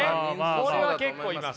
これは結構います。